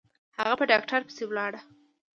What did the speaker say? هغه په ډاکتر پسې ولاړه.